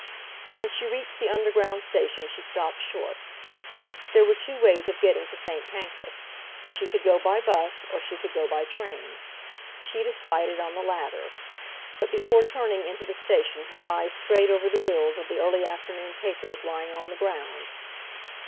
When she reached the Underground station she stopped short. There were two ways of getting to St. Pancras—she could go by bus, or she could go by train. She decided on the latter. But before turning into the station her eyes strayed over the bills of the early afternoon papers lying on the ground.